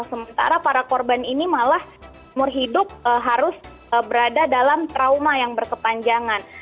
sementara para korban ini malah umur hidup harus berada dalam trauma yang berkepanjangan